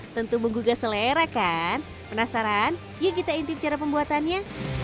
tentu menggugah selera kan penasaran yuk kita intip cara pembuatannya